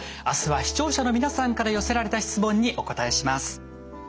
明日は視聴者の皆さんから寄せられた質問にお答えします。